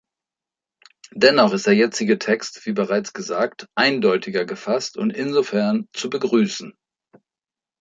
Dennoch ist der jetzige Text wie bereits gesagt eindeutiger gefasst und insofern zu begrüßen.